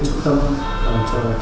trọng tâm trong cơ chế chính sách